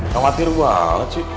khawatir banget sih